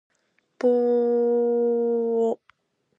ぼぼぼぼぼお